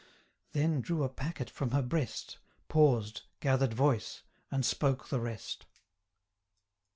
Then drew a packet from her breast, Paused, gather'd voice, and spoke the rest.